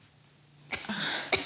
ああ。